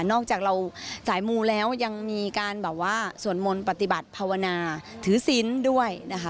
อกจากเราสายมูแล้วยังมีการแบบว่าสวดมนต์ปฏิบัติภาวนาถือศิลป์ด้วยนะคะ